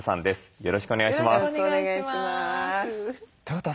よろしくお願いします。